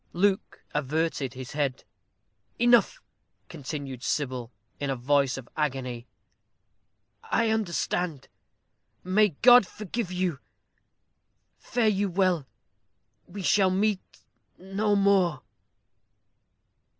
Luke averted his head. "Enough!" continued Sybil, in a voice of agony; "I understand. May God forgive you! Fare you well! We shall meet no more."